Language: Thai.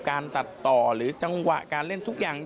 การตัดต่อหรือจังหวะการเล่นทุกอย่าง